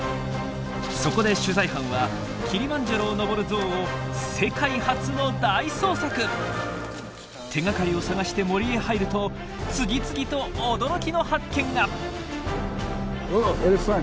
そこで取材班はキリマンジャロを登るゾウを手がかりを探して森へ入ると次々と驚きの発見が！